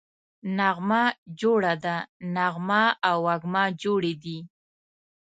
نغمه جوړه ده → نغمه او وږمه جوړې دي